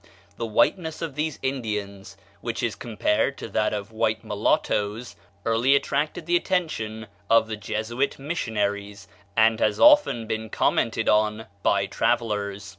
The whiteness of these Indians, which is compared to that of white mulattoes, early attracted the attention of the Jesuit missionaries, and has often been commented on by travellers.